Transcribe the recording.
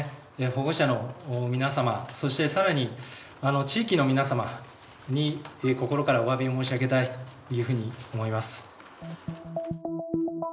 保護者の皆様そしてさらに地域の皆様に心からおわび申し上げたいというふうに思います。